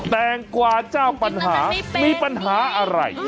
แตงกวาเจ้าปัญหามีปัญหาอะไร